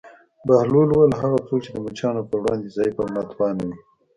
بهلول وویل: هغه څوک چې د مچانو پر وړاندې ضعیف او ناتوانه وي.